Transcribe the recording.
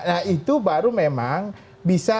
nah itu baru memang bisa